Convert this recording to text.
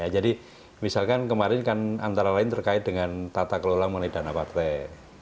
jadi misalkan kemarin kan antara lain terkait dengan tata kelola mengenai dana partai